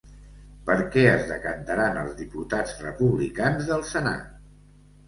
Per què es decantaran els diputats republicans del senat?